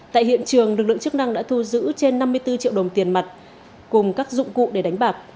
tại hiện trường lực lượng chức năng đã thu giữ trên năm mươi bốn triệu đồng tiền mặt cùng các dụng cụ để đánh bạc